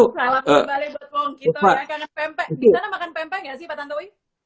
di sana makan pempek gak sih pak tantowi